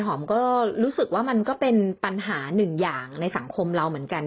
หอมก็รู้สึกว่ามันก็เป็นปัญหาหนึ่งอย่างในสังคมเราเหมือนกัน